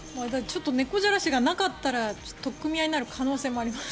猫じゃらしがなかったら取っ組み合いになる可能性もありますね。